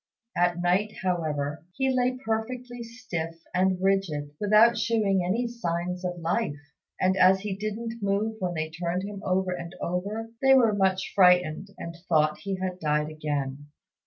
At night, however, he lay perfectly stiff and rigid, without shewing any signs of life; and, as he didn't move when they turned him over and over, they were much frightened, and thought he had died again.